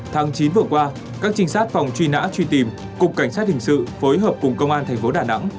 tháng chín vừa qua các trinh sát phòng truy nã truy tìm cục cảnh sát hình sự phối hợp cùng công an thành phố đà nẵng